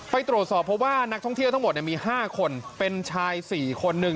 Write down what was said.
ไปตรวจสอบเพราะว่านักท่องเที่ยวทั้งหมดมี๕คนเป็นชาย๔คนหนึ่ง